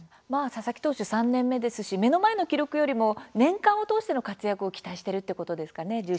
佐々木投手、３年目ですし目の前の記録よりも年間を通しての活躍を期待しているということですかね。